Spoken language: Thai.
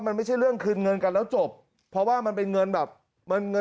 มันไม่ใช่เรื่องคืนเงินกันแล้วจบเพราะว่ามันเป็นเงินแบบเงินเงิน